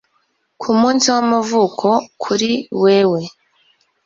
nkumunsi wamavuko kuri wewe